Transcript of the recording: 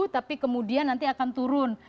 tapi kemudian nanti akan turun